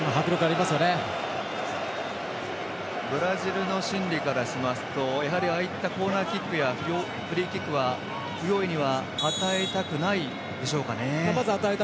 ブラジルの心理からしますとああいったコーナーキックやフリーキックは不用意には与えたくないんでしょうかね。